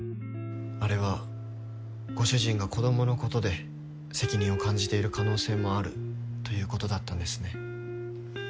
あれはご主人が子供のことで責任を感じている可能性もあるということだったんですね。